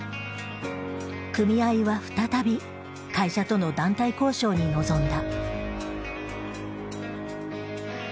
組合は再び会社との団体交渉に臨んだ。